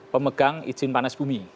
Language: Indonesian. pemegang izin panas bumi